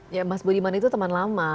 ya mas budiman itu teman lama